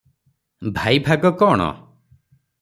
ଭାଇ ଭାଗ କଣ?